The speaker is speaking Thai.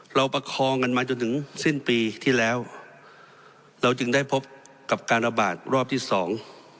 ประคองกันมาจนถึงสิ้นปีที่แล้วเราจึงได้พบกับการระบาดรอบที่สอง